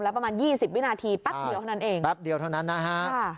แล้วประมาณ๒๐วินาทีปั๊บเดียวเท่านั้นเอง